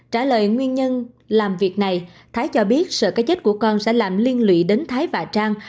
trả lời nguyên nhân làm việc này thái cho biết sợ cái chết của con sẽ làm liên lụy đến thái và trang